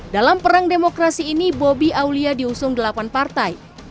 dalam perang demokrasi ini bobi aulia diusung delapan partai